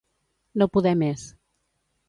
No poder més.